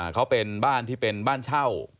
เขาเป็นบ้านที่เป็นบ้านเช่า